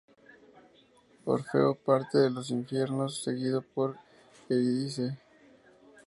Orfeo parte de los infiernos seguido por Eurídice.